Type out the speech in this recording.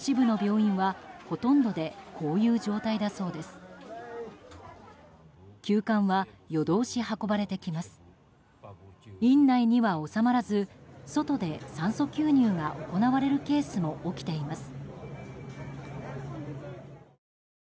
院内には収まらず外で酸素吸入が行われるケースも起きています。